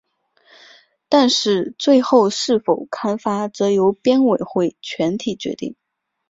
但是最后是否刊发则由编委会全体决定。